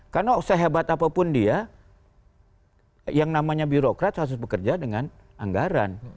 karena sehebat apapun dia yang namanya birokrat harus bekerja dengan anggaran